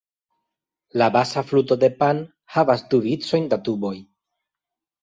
La basa fluto de Pan havas du vicojn da tuboj.